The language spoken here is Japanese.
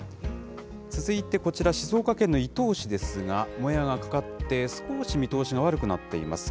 続いてこちら、静岡県の伊東市ですが、もやがかかって、少し見通しが悪くなっています。